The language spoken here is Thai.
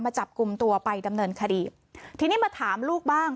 จับกลุ่มตัวไปดำเนินคดีทีนี้มาถามลูกบ้าง